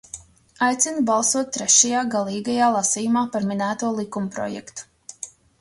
Aicinu balsot trešajā, galīgajā, lasījumā par minēto likumprojektu.